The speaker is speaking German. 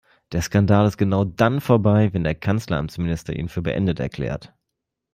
Der Skandal ist genau dann vorbei, wenn der Kanzleramtsminister ihn für beendet erklärt.